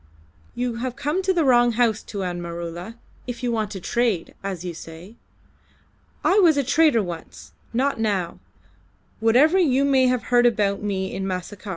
"You have come to the wrong house, Tuan Maroola, if you want to trade as you say. I was a trader once, not now, whatever you may have heard about me in Macassar.